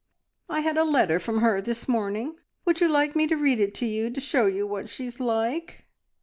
I had a letter from her this morning. Would you like me to read it to you to show you what she is like?"